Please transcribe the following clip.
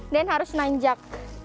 dan harus nanjak